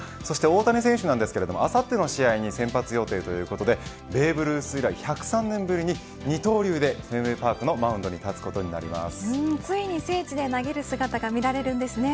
大谷選手ですがあさっての試合に先発予定ということでベーブ・ルース以来１０３年ぶりに二刀流でフェンウェイパークのマウンドに立ちます。